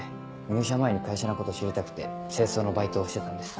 入社前に会社のこと知りたくて清掃のバイトをしてたんです。